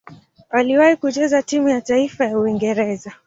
Aliwahi kucheza timu ya taifa ya Uingereza.